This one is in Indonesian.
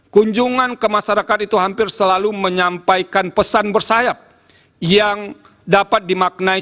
kunjungan ke masyarakat itu hampir selalu menyampaikan pesan bersayap yang dapat dimaknai